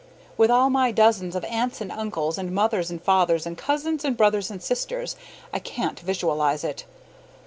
With all my dozens of aunts and uncles and mothers and fathers and cousins and brothers and sisters, I can't visualize it.